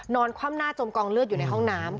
คว่ำหน้าจมกองเลือดอยู่ในห้องน้ำ